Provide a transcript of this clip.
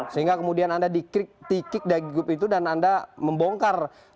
sehingga kemudian anda dikrik tikik dari grup itu dan anda membongkar